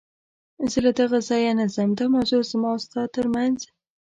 زه له دغه ځایه نه ځم، دا موضوع زما او ستا تر منځ.